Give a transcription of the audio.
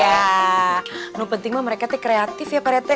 iya yang penting mah mereka kreatif ya pak reti